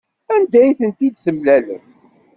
Anda ay tent-id-temlalem?